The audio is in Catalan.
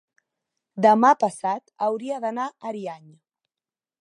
Demà passat hauria d'anar a Ariany.